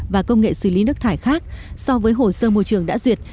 và công nghệ xử lý nước thải khác so với hồ sơ môi trường đã duyệt